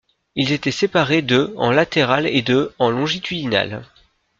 Ils étaient séparés de en latéral et de en longitudinal.